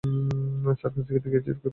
Circus দেখিতে গিয়াছি তো কী হইয়াছে!